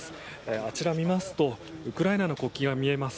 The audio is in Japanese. あちらを見ますとウクライナの国旗が見えます。